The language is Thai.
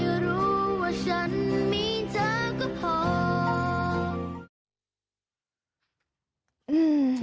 ไม่รู้ว่าฉันมีเธอก็พอ